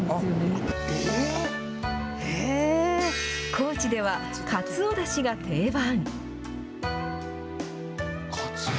高知では、カツオだしが定番。